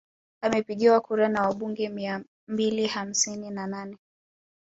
Amepigiwa kura na wabunge mia mbili hamsini na nane